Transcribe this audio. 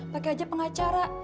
pakai aja pengacara